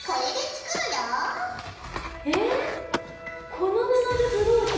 この布でブローチ？